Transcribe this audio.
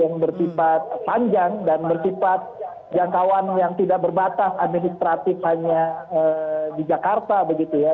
yang bersifat panjang dan bersifat jangkauan yang tidak berbatas administratif hanya di jakarta begitu ya